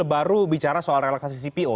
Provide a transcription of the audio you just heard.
baru bicara soal relaksasi cpo